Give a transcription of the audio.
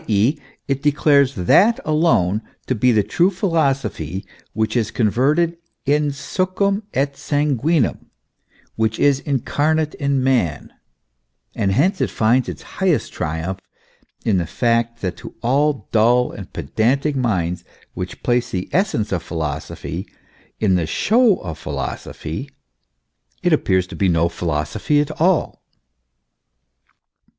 e., it declares that alone to be the true philosophy which is converted in succwn et sanguinem, which is incarnate in Man ; and hence it finds its highest triumph in the fact that to all dull and pedantic minds, which place the essence of philosophy in the show of philosophy, it appears to be no philosophy at all.